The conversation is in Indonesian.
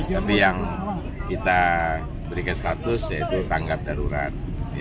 tapi yang kita berikan status yaitu tanggap darurat